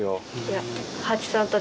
いや。